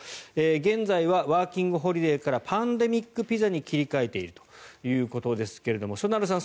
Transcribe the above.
現在はワーキングホリデーからパンデミックビザに切り替えているということですがしょなるさん